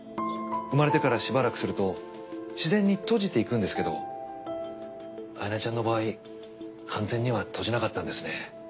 生まれてからしばらくするとしぜんに閉じていくんですけど彩名ちゃんの場合完全には閉じなかったんですね。